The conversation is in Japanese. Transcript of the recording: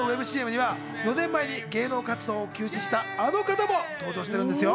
ＣＭには４年前に芸能活動を休止したあの方も登場しているんですよ。